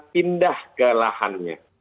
pindah ke lahannya